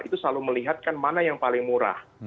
itu selalu melihatkan mana yang paling murah